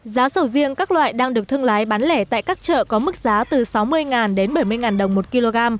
giá sầu riêng các loại đang được thương lái bán lẻ tại các chợ có mức giá từ sáu mươi đến bảy mươi đồng một kg